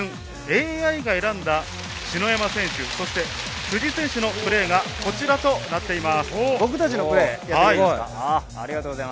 今シーズン、ＡＩが選んだ、篠山選手、辻選手のプレーが、こちらとなっています。